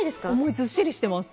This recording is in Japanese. ずっしりしてます。